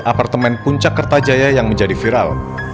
apartemen puncak kertajaya yang menjadi viral